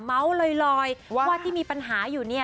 เมาส์ลอยว่าที่มีปัญหาอยู่เนี่ย